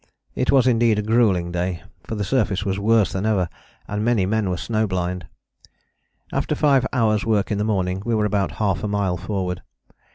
It was indeed a gruelling day, for the surface was worse than ever and many men were snow blind. After five hours' work in the morning we were about half a mile forward.